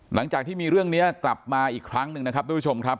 หลังจากที่มีเรื่องนี้กลับมาอีกครั้งหนึ่งนะครับทุกผู้ชมครับ